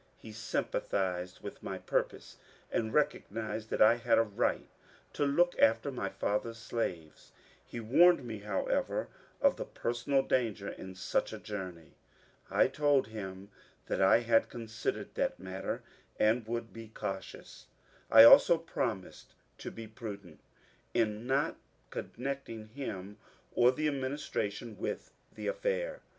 He sympathized with my purpose and recognized that I had a right to look after my father's slaves. He warned me, however, of the personal danger in such a journey. I told him that I had considered that matter, uid would be cautious ; I also promised to be prudent in not con necting him or the administration with the affair.